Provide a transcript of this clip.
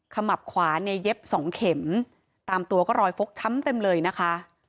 มับขวาเนี่ยเย็บสองเข็มตามตัวก็รอยฟกช้ำเต็มเลยนะคะ